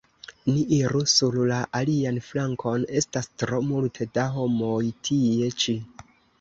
Ni iru sur la alian flankon; estas tro multe da homoj tie ĉi.